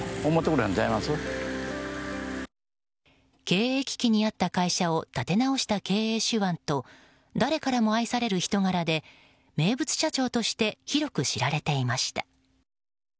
経営危機にあった会社を立て直した経営手腕と誰からも愛される人柄で名物社長として広く知られていました。